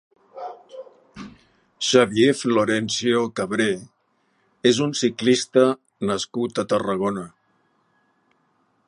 Xavier Florencio Cabré és un ciclista nascut a Tarragona.